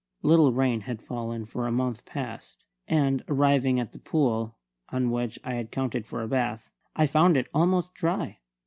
Little rain had fallen for a month past, and, arriving at the pool on which I had counted for a bath, I found it almost dry.